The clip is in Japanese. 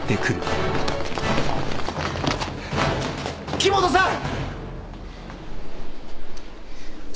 木元さん！